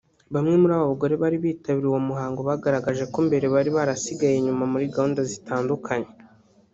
Bamwe muri abo bagore bari bitabiriye uwo muhango bagaragaje ko mbere bari barasigaye inyuma muri gahunda zitandukanye